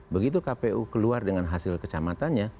begitu kpu keluar dengan hasil kecamatannya